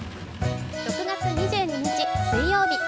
６月２２日水曜日。